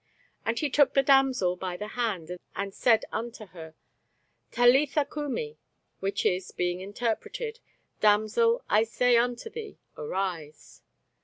And he took the damsel by the hand, and said unto her, Talitha cumi; which is, being interpreted, Damsel, I say unto thee, arise.